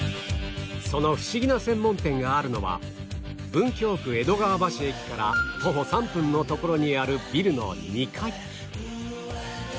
そのフシギな専門店があるのは文京区江戸川橋駅から徒歩３分の所にあるビルの２階